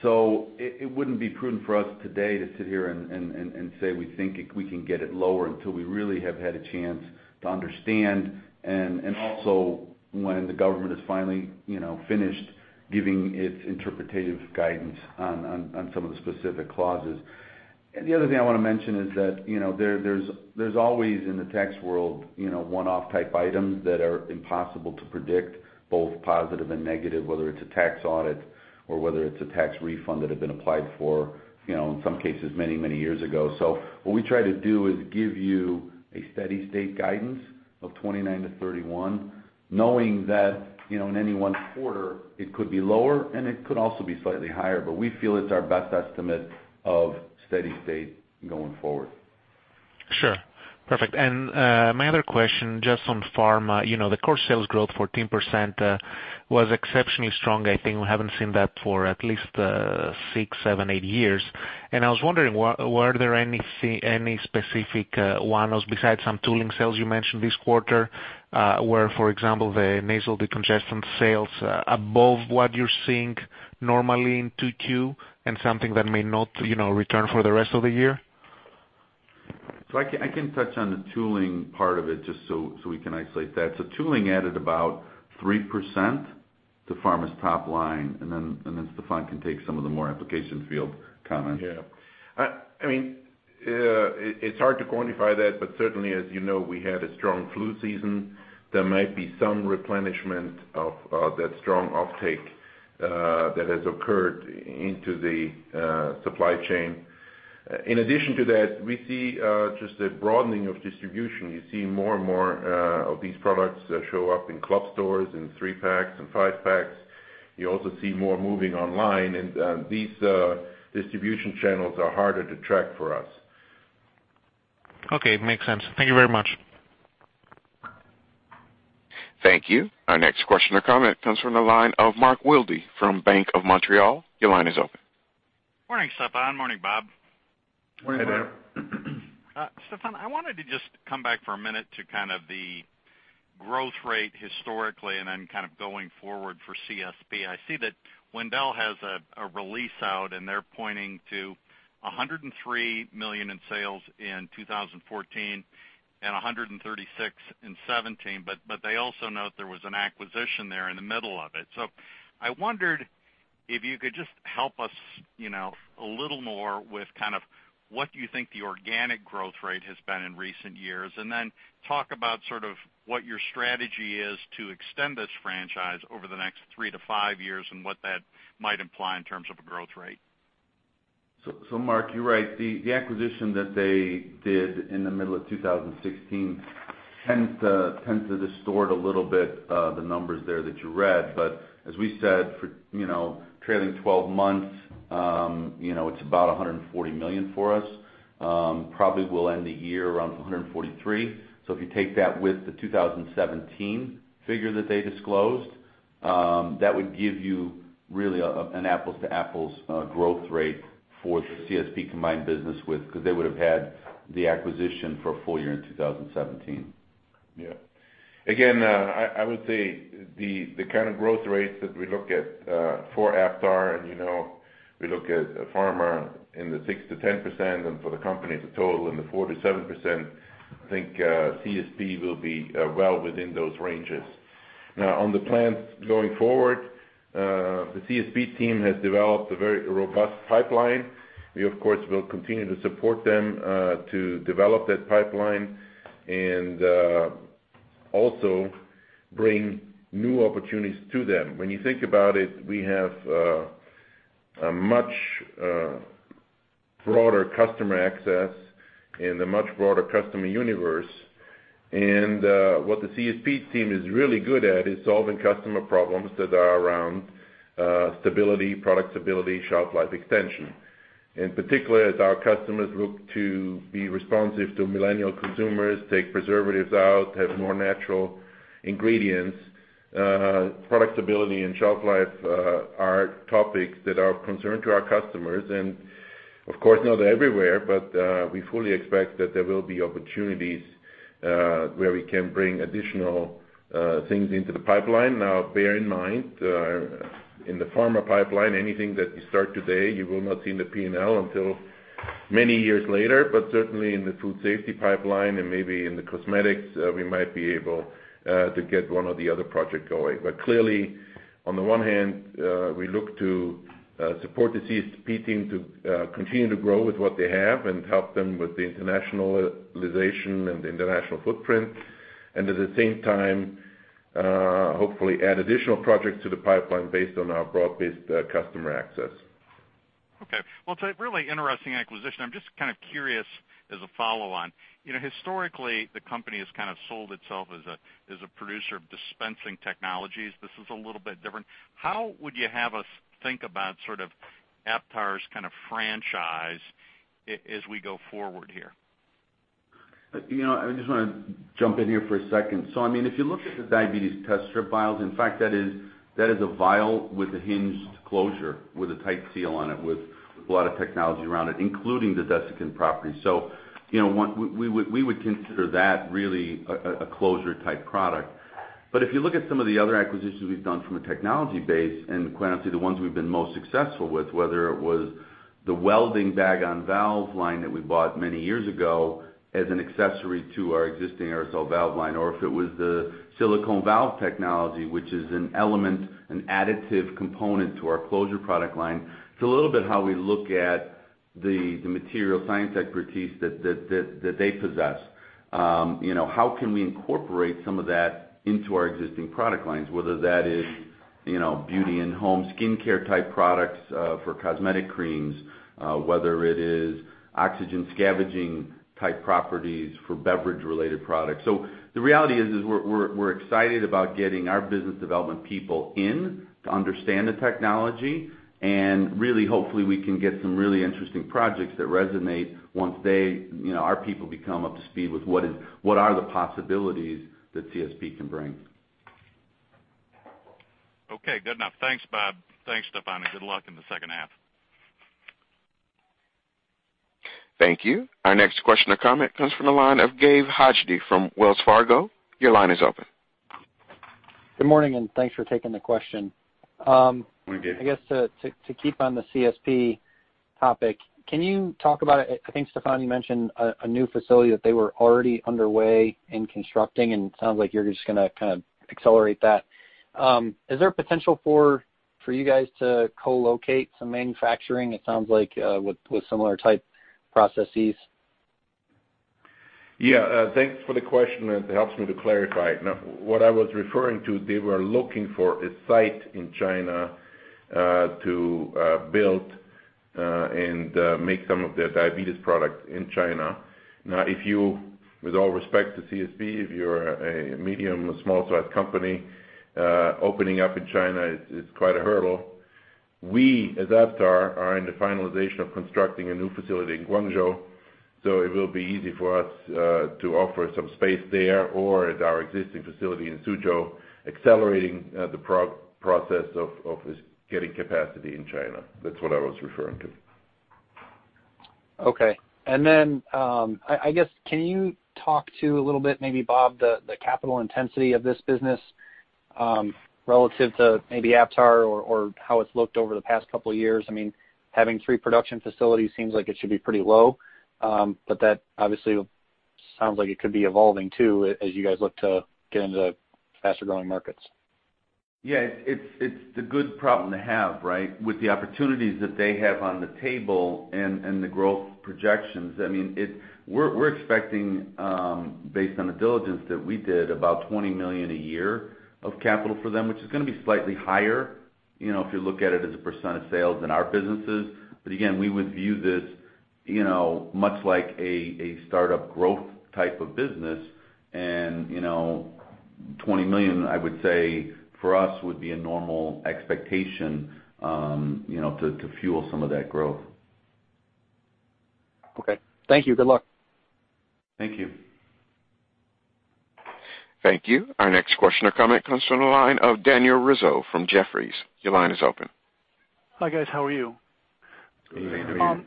[SPEAKER 4] It wouldn't be prudent for us today to sit here and say we think we can get it lower until we really have had a chance to understand, and also when the government is finally finished giving its interpretative guidance on some of the specific clauses. The other thing I want to mention is that, there's always in the tax world one-off type items that are impossible to predict, both positive and negative, whether it's a tax audit or whether it's a tax refund that had been applied for, in some cases, many, many years ago. What we try to do is give you a steady state guidance of 29%-31%, knowing that, in any one quarter it could be lower and it could also be slightly higher. We feel it's our best estimate of steady state going forward.
[SPEAKER 10] Sure. Perfect. My other question, just on Pharma, the core sales growth 14%, was exceptionally strong. I think we haven't seen that for at least, six, seven, eight years. I was wondering, were there any specific one-offs besides some tooling sales you mentioned this quarter, were, for example, the nasal decongestant sales above what you're seeing normally in 2Q and something that may not return for the rest of the year?
[SPEAKER 4] I can touch on the tooling part of it just so we can isolate that. Tooling added about 3% to Pharma's top line, Stephan can take some of the more applications field comments.
[SPEAKER 3] Yeah. It's hard to quantify that, certainly as you know, we had a strong flu season. There might be some replenishment of that strong offtake that has occurred into the supply chain. In addition to that, we see just a broadening of distribution. You see more and more of these products show up in club stores, in 3 packs and 5 packs. You also see more moving online, and these distribution channels are harder to track for us.
[SPEAKER 10] Okay. Makes sense. Thank you very much.
[SPEAKER 1] Thank you. Our next question or comment comes from the line of Mark Wilde from Bank of Montreal. Your line is open.
[SPEAKER 11] Morning, Stephan. Morning, Bob.
[SPEAKER 3] Morning.
[SPEAKER 4] Hey there.
[SPEAKER 11] Stephan, I wanted to just come back for a minute to kind of the growth rate historically, then kind of going forward for CSP. I see that Wendel has a release out, and they're pointing to $103 million in sales in 2014 and $136 million in 2017. They also note there was an acquisition there in the middle of it. I wondered if you could just help us a little more with what you think the organic growth rate has been in recent years. Then talk about sort of what your strategy is to extend this franchise over the next three to five years, and what that might imply in terms of a growth rate.
[SPEAKER 4] Mark, you're right. The acquisition that they did in the middle of 2016 tends to distort a little bit, the numbers there that you read. As we said, trailing 12 months, it's about $140 million for us. Probably will end the year around $143 million. If you take that with the 2017 figure that they disclosed, that would give you really an apples-to-apples growth rate for the CSP combined business with, because they would've had the acquisition for a full year in 2017.
[SPEAKER 3] Yeah. Again, I would say the kind of growth rates that we look at for Aptar and we look at pharma in the 6%-10%, and for the company as a total in the 4%-7%, I think, CSP will be well within those ranges. On the plans going forward, the CSP team has developed a very robust pipeline. We of course will continue to support them to develop that pipeline and also bring new opportunities to them. When you think about it, we have a much broader customer access and a much broader customer universe, and what the CSP team is really good at is solving customer problems that are around stability, product stability, shelf life extension. Particularly as our customers look to be responsive to millennial consumers, take preservatives out, have more natural ingredients, product stability and shelf life are topics that are of concern to our customers and, of course, not everywhere, but we fully expect that there will be opportunities where we can bring additional things into the pipeline. Bear in mind, in the pharma pipeline, anything that you start today, you will not see in the P&L until many years later. Certainly in the food safety pipeline and maybe in the cosmetics, we might be able to get one or the other project going. Clearly on the one hand, we look to support the CSP team to continue to grow with what they have and help them with the internationalization and the international footprint. At the same time, hopefully add additional projects to the pipeline based on our broad-based customer access.
[SPEAKER 11] Okay. Well, it's a really interesting acquisition. I'm just kind of curious as a follow-on. Historically the company has kind of sold itself as a producer of dispensing technologies. This is a little bit different. How would you have us think about sort of Aptar's kind of franchise as we go forward here?
[SPEAKER 4] I just want to jump in here for a second. If you look at the diabetes test strip vials, in fact that is a vial with a hinged closure, with a tight seal on it, with a lot of technology around it, including the desiccant property. We would consider that really a closure type product. If you look at some of the other acquisitions we've done from a technology base and quite honestly the ones we've been most successful with, whether it was The welded bag-on-valve line that we bought many years ago as an accessory to our existing aerosol valve line, or if it was the silicone valve technology, which is an element, an additive component to our closure product line. It's a little bit how we look at the material science expertise that they possess. How can we incorporate some of that into our existing product lines, whether that is beauty and home skincare type products for cosmetic creams, whether it is oxygen scavenging type properties for beverage-related products. The reality is, we're excited about getting our business development people in to understand the technology, and really, hopefully, we can get some really interesting projects that resonate once our people become up to speed with what are the possibilities that CSP can bring.
[SPEAKER 11] Okay, good enough. Thanks, Bob. Thanks, Stephan. Good luck in the second half.
[SPEAKER 1] Thank you. Our next question or comment comes from the line of Gabe Hajde from Wells Fargo. Your line is open.
[SPEAKER 12] Good morning, thanks for taking the question.
[SPEAKER 4] Good morning, Gabe.
[SPEAKER 12] I guess, to keep on the CSP topic, can you talk about, I think Stephan, you mentioned a new facility that they were already underway in constructing, it sounds like you're just going to kind of accelerate that. Is there a potential for you guys to co-locate some manufacturing, it sounds like, with similar type processes?
[SPEAKER 3] Yeah. Thanks for the question, and it helps me to clarify. What I was referring to, they were looking for a site in China to build and make some of their diabetes products in China. Now, with all respect to CSP, if you're a medium or small size company opening up in China, it's quite a hurdle. We, as Aptar, are in the finalization of constructing a new facility in Guangzhou, so it will be easy for us to offer some space there or at our existing facility in Suzhou, accelerating the process of getting capacity in China. That's what I was referring to.
[SPEAKER 12] Okay. I guess, can you talk to, a little bit maybe, Bob, the capital intensity of this business relative to maybe Aptar or how it's looked over the past couple of years? Having three production facilities seems like it should be pretty low, but that obviously sounds like it could be evolving too, as you guys look to get into faster-growing markets.
[SPEAKER 4] Yeah. It's the good problem to have, right? With the opportunities that they have on the table and the growth projections. We're expecting, based on the diligence that we did, about $20 million a year of capital for them, which is going to be slightly higher, if you look at it as a % of sales in our businesses. Again, we would view this much like a startup growth type of business, and $20 million, I would say, for us, would be a normal expectation to fuel some of that growth.
[SPEAKER 12] Okay. Thank you. Good luck.
[SPEAKER 4] Thank you.
[SPEAKER 1] Thank you. Our next question or comment comes from the line of Daniel Rizzo from Jefferies. Your line is open.
[SPEAKER 13] Hi, guys. How are you?
[SPEAKER 4] Good, Daniel.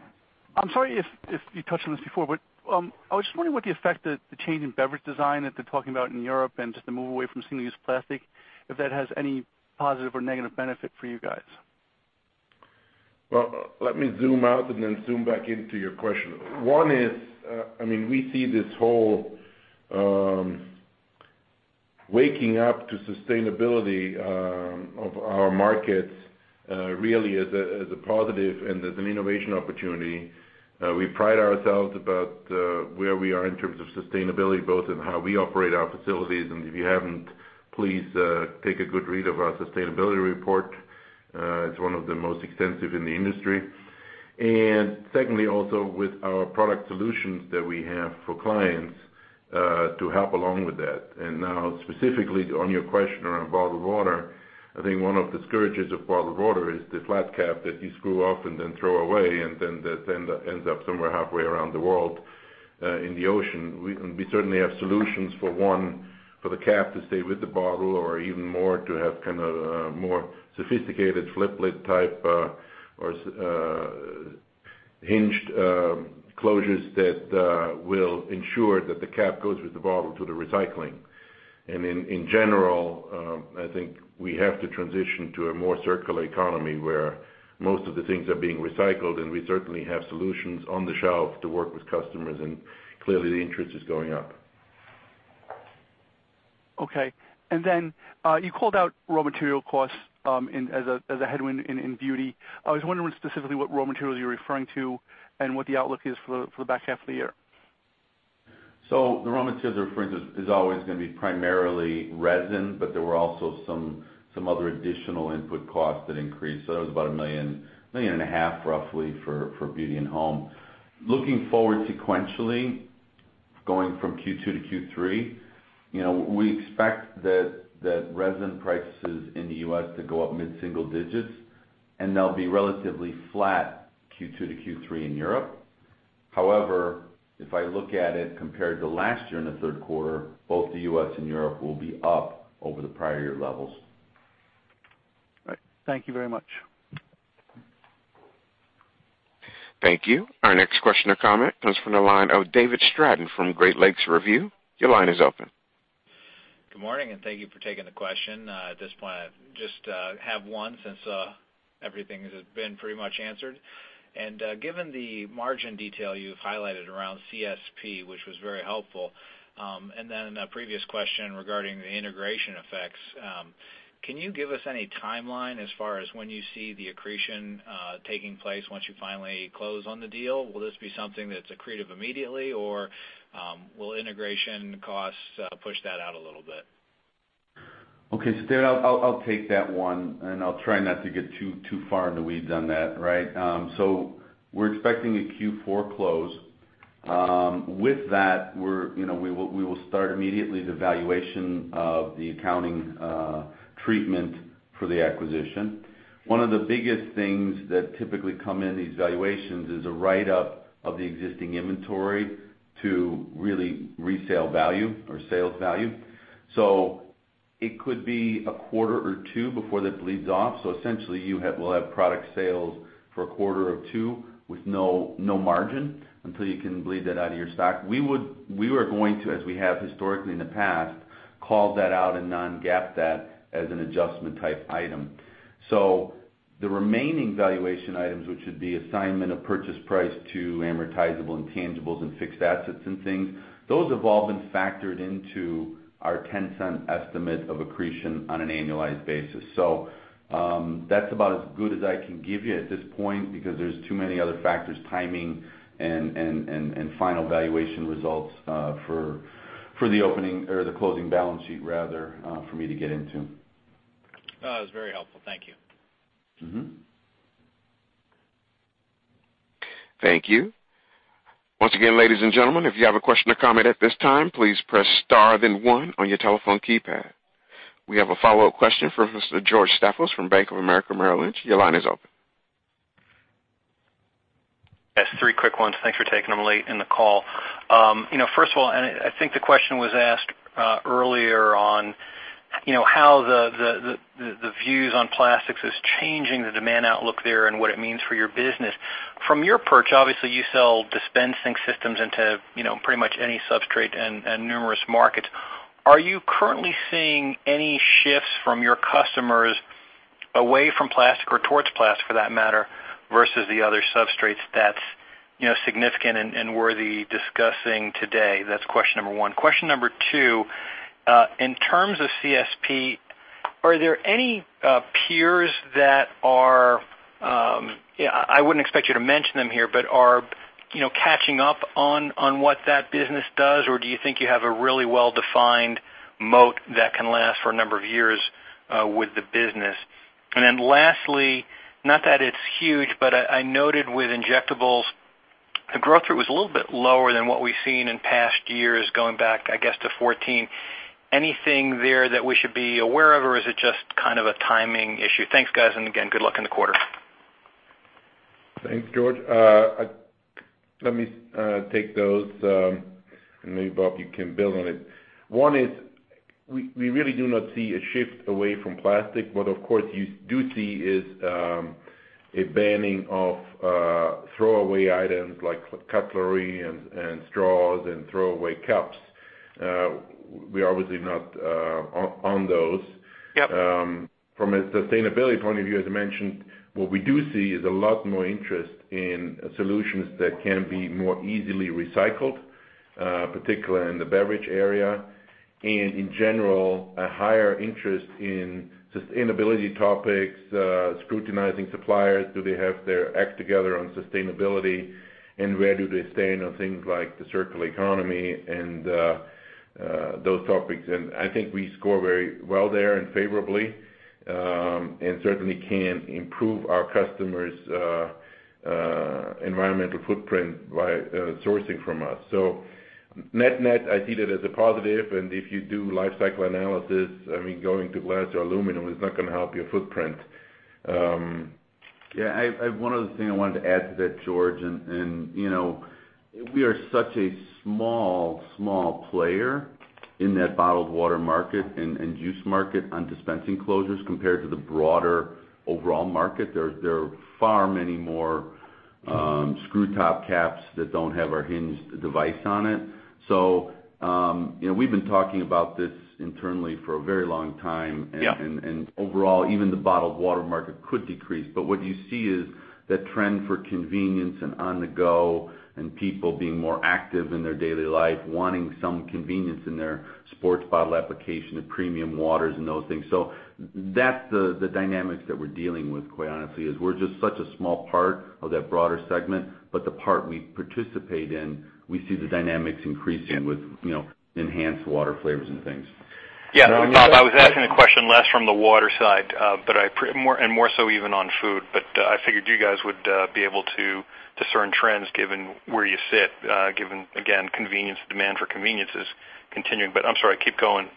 [SPEAKER 13] I'm sorry if you touched on this before, I was just wondering what the effect that the change in beverage design that they're talking about in Europe and just the move away from single-use plastic, if that has any positive or negative benefit for you guys.
[SPEAKER 4] Well, let me zoom out then zoom back in to your question. One is, we see this whole waking up to sustainability of our markets really as a positive and as an innovation opportunity. We pride ourselves about where we are in terms of sustainability, both in how we operate our facilities, if you haven't, please take a good read of our sustainability report. It's one of the most extensive in the industry. Secondly, also with our product solutions that we have for clients to help along with that. Now, specifically on your question around bottled water, I think one of the scourges of bottled water is the flat cap that you screw off then throw away, then that ends up somewhere halfway around the world in the ocean. We certainly have solutions for one, for the cap to stay with the bottle or even more to have kind of more sophisticated flip lid type or hinged closures that will ensure that the cap goes with the bottle to the recycling. In general, I think we have to transition to a more circular economy where most of the things are being recycled, and we certainly have solutions on the shelf to work with customers, and clearly, the interest is going up.
[SPEAKER 13] Okay. Then you called out raw material costs as a headwind in beauty. I was wondering specifically what raw materials you're referring to and what the outlook is for the back half of the year.
[SPEAKER 4] The raw materials, for instance, is always going to be primarily resin, but there were also some other additional input costs that increased. That was about $ a million and a half, roughly, for beauty and home. Looking forward sequentially, going from Q2 to Q3, we expect that resin prices in the U.S. to go up mid-single digits, and they'll be relatively flat Q2 to Q3 in Europe. However, if I look at it compared to last year in the third quarter, both the U.S. and Europe will be up over the prior year levels.
[SPEAKER 13] Right. Thank you very much.
[SPEAKER 1] Thank you. Our next question or comment comes from the line of David Stratton from Great Lakes Review. Your line is open.
[SPEAKER 14] Good morning, thank you for taking the question. At this point, I just have one since everything has been pretty much answered. Given the margin detail you've highlighted around CSP, which was very helpful, and then in a previous question regarding the integration effects, can you give us any timeline as far as when you see the accretion taking place once you finally close on the deal? Will this be something that's accretive immediately, or will integration costs push that out a little bit?
[SPEAKER 4] Okay. Dan, I'll take that one, and I'll try not to get too far in the weeds on that, right? We're expecting a Q4 close. With that, we will start immediately the valuation of the accounting treatment for the acquisition. One of the biggest things that typically come in these valuations is a write-up of the existing inventory to really resale value or sales value. It could be a quarter or two before that bleeds off. Essentially, you will have product sales for a quarter or two with no margin until you can bleed that out of your stock. We are going to, as we have historically in the past, call that out and non-GAAP that as an adjustment type item. The remaining valuation items, which would be assignment of purchase price to amortizable intangibles and fixed assets and things, those have all been factored into our $0.10 estimate of accretion on an annualized basis. That's about as good as I can give you at this point because there's too many other factors, timing and final valuation results, for the opening or the closing balance sheet rather, for me to get into.
[SPEAKER 14] That was very helpful. Thank you.
[SPEAKER 1] Thank you. Once again, ladies and gentlemen, if you have a question or comment at this time, please press star then one on your telephone keypad. We have a follow-up question from Mr. George Staphos from Bank of America Merrill Lynch. Your line is open.
[SPEAKER 5] Yes, three quick ones. Thanks for taking them late in the call. First of all, I think the question was asked earlier on how the views on plastics is changing the demand outlook there and what it means for your business. From your perch, obviously, you sell dispensing systems into pretty much any substrate and numerous markets. Are you currently seeing any shifts from your customers away from plastic or towards plastic for that matter, versus the other substrates that's significant and worthy discussing today? That's question number one. Question number two, in terms of CSP, are there any peers, I wouldn't expect you to mention them here, but are catching up on what that business does? Or do you think you have a really well-defined moat that can last for a number of years with the business? Lastly, not that it's huge, but I noted with injectables, the growth rate was a little bit lower than what we've seen in past years, going back, I guess, to 2014. Anything there that we should be aware of, or is it just kind of a timing issue? Thanks, guys. Again, good luck in the quarter.
[SPEAKER 3] Thanks, George. Let me take those, maybe Bob, you can build on it. One is we really do not see a shift away from plastic. What of course you do see is a banning of throwaway items like cutlery and straws and throwaway cups. We're obviously not on those.
[SPEAKER 5] Yep.
[SPEAKER 4] From a sustainability point of view, as I mentioned, what we do see is a lot more interest in solutions that can be more easily recycled, particularly in the beverage area. In general, a higher interest in sustainability topics, scrutinizing suppliers, do they have their act together on sustainability, and where do they stand on things like the circular economy and those topics. I think we score very well there and favorably, and certainly can improve our customers' environmental footprint by sourcing from us. Net-net, I see that as a positive. If you do life cycle analysis, going to glass or aluminum is not going to help your footprint. One other thing I wanted to add to that, George, we are such a small player in that bottled water market and juice market on dispensing closures compared to the broader overall market.
[SPEAKER 3] There are far many more screw top caps that don't have our hinged device on it. We've been talking about this internally for a very long time. Yeah. Overall, even the bottled water market could decrease. What you see is that trend for convenience and on the go and people being more active in their daily life, wanting some convenience in their sports bottle application and premium waters and those things. That's the dynamics that we're dealing with, quite honestly, is we're just such a small part of that broader segment, but the part we participate in, we see the dynamics increasing with enhanced water flavors and things.
[SPEAKER 5] Yeah, Bob, I was asking the question less from the water side and more so even on food. I figured you guys would be able to discern trends given where you sit, given, again, convenience, demand for convenience is continuing. I'm sorry, keep going.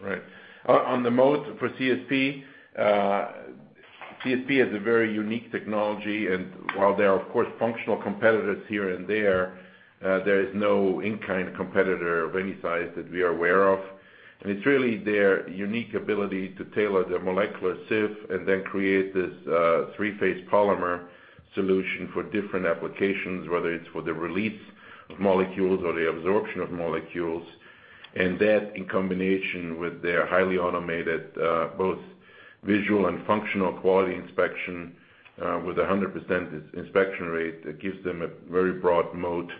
[SPEAKER 4] Right. On the moat for CSP is a very unique technology, and while there are, of course, functional competitors here and there is no in-kind competitor of any size that we are aware of. It's really their unique ability to tailor their molecular sieve and then create this 3-Phase Activ-Polymer solution for different applications, whether it's for the release of molecules or the absorption of molecules.
[SPEAKER 3] That in combination with their highly automated, both visual and functional quality inspection with a 100% inspection rate, it gives them a very broad moat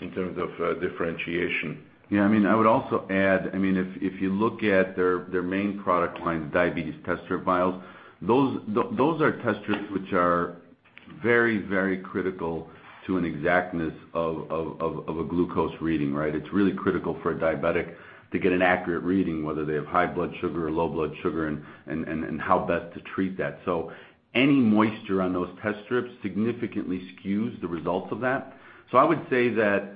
[SPEAKER 3] in terms of differentiation.
[SPEAKER 4] I would also add, if you look at their main product line, the diabetes test strip vials, those are test strips which are very critical to an exactness of a glucose reading, right? It's really critical for a diabetic to get an accurate reading, whether they have high blood sugar or low blood sugar, and how best to treat that. Any moisture on those test strips significantly skews the results of that. I would say that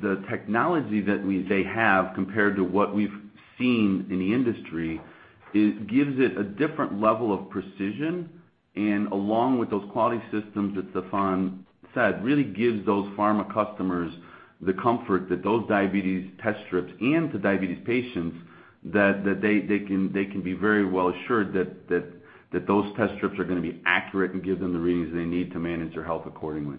[SPEAKER 4] the technology that they have compared to what we've seen in the industry, it gives it a different level of precision, and along with those quality systems that Stephan said, really gives those pharma customers the comfort that those diabetes test strips, and to diabetes patients, that they can be very well assured that those test strips are going to be accurate and give them the readings they need to manage their health accordingly.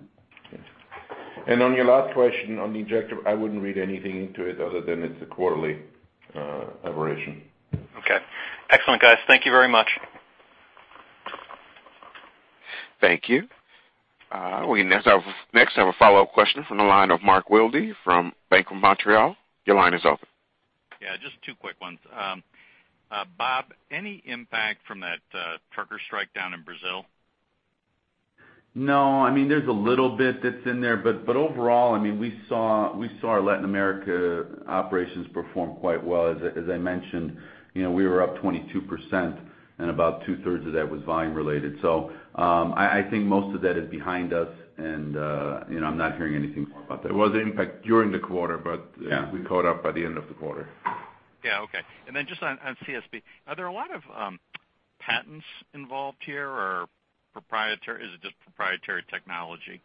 [SPEAKER 3] On your last question, on the injector, I wouldn't read anything into it other than it's a quarterly aberration.
[SPEAKER 5] Okay. Excellent, guys. Thank you very much.
[SPEAKER 1] Thank you. We next have a follow-up question from the line of Mark Wilde from Bank of Montreal. Your line is open.
[SPEAKER 11] Yeah, just two quick ones. Bob, any impact from that trucker strike down in Brazil?
[SPEAKER 4] No, there's a little bit that's in there. Overall, we saw our Latin America operations perform quite well. As I mentioned, we were up 22% and about two-thirds of that was volume related. I think most of that is behind us and I'm not hearing anything more about that.
[SPEAKER 3] There was an impact during the quarter.
[SPEAKER 4] Yeah
[SPEAKER 3] we caught up by the end of the quarter.
[SPEAKER 11] Yeah. Okay. Then just on CSP. Are there a lot of patents involved here or is it just proprietary technology?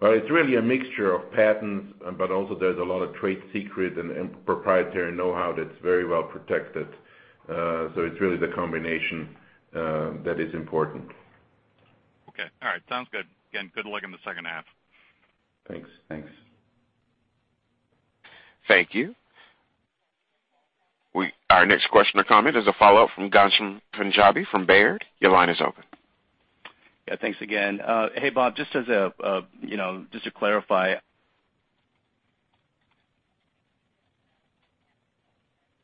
[SPEAKER 3] Well, it's really a mixture of patents, but also there's a lot of trade secret and proprietary knowhow that's very well protected. It's really the combination that is important.
[SPEAKER 11] Okay. All right. Sounds good. Again, good luck in the second half.
[SPEAKER 4] Thanks.
[SPEAKER 3] Thanks.
[SPEAKER 1] Thank you. Our next question or comment is a follow-up from Ghansham Punjabi from Baird. Your line is open.
[SPEAKER 6] Yeah, thanks again. Hey, Bob, just to clarify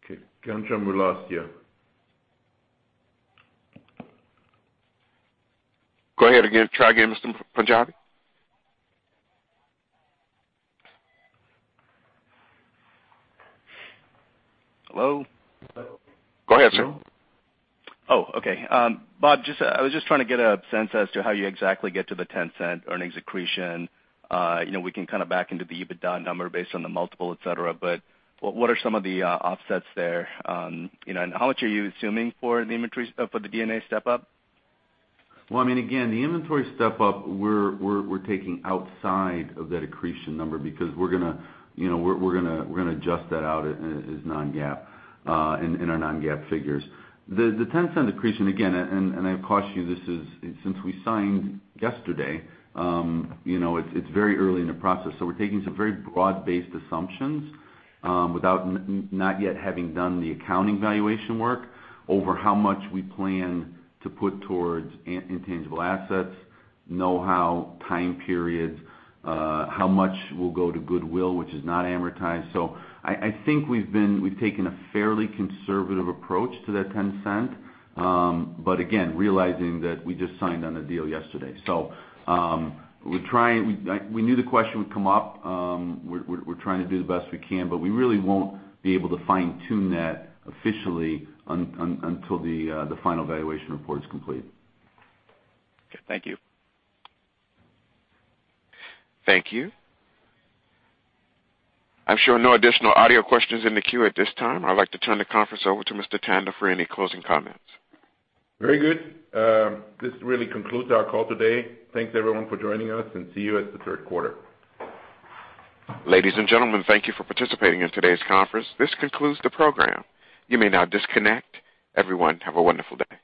[SPEAKER 3] Okay. Ghansham, we lost you.
[SPEAKER 1] Go ahead again. Try again, Mr. Punjabi.
[SPEAKER 6] Hello?
[SPEAKER 1] Go ahead, sir.
[SPEAKER 6] Okay. Bob, I was just trying to get a sense as to how you exactly get to the $0.10 earnings accretion. We can back into the EBITDA number based on the multiple, et cetera, but what are some of the offsets there? How much are you assuming for the D&A step-up?
[SPEAKER 4] Well, again, the inventory step-up, we're taking outside of that accretion number because we're going to adjust that out as non-GAAP, in our non-GAAP figures. The $0.10 accretion, again, I caution you, since we signed yesterday, it's very early in the process. We're taking some very broad-based assumptions, without not yet having done the accounting valuation work over how much we plan to put towards intangible assets, know how, time periods, how much will go to goodwill, which is not amortized. I think we've taken a fairly conservative approach to that $0.10. Again, realizing that we just signed on a deal yesterday. We knew the question would come up. We're trying to do the best we can, but we really won't be able to fine-tune that officially until the final valuation report is complete.
[SPEAKER 6] Okay. Thank you.
[SPEAKER 1] Thank you. I'm showing no additional audio questions in the queue at this time. I'd like to turn the conference over to Mr. Tanda for any closing comments.
[SPEAKER 3] Very good. This really concludes our call today. Thanks, everyone, for joining us, and see you at the third quarter.
[SPEAKER 1] Ladies and gentlemen, thank you for participating in today's conference. This concludes the program. You may now disconnect. Everyone, have a wonderful day.